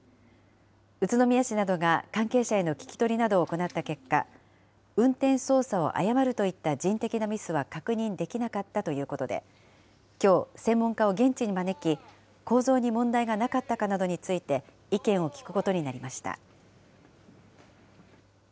宇都宮市などが関係者への聞き取りを行った結果、運転操作を誤るといった人的なミスは確認できなかったということで、きょう、専門家を現地に招き、構造に問題がなかったかなどについて、意見を聞くことになりました。